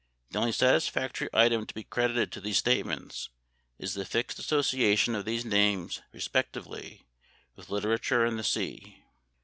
The only satisfactory item to be credited to these statements is the fixed association of these names respectively with literature and the sea.